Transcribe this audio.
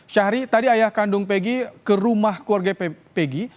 syahri tadi ayah kandung peggy ke rumah keluarga peggy